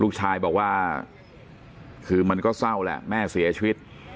ลูกชายบอกว่าคือมันก็เศร้าแหละแม่เสียชีวิต